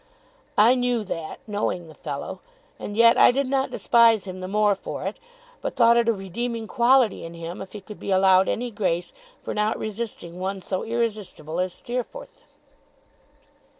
I knew that, knowing the fellow. And yet I did not despise him the more for it, but thought it a redeeming quality in him if he could be allowed any grace for not resisting one so irresistible as Steerforth.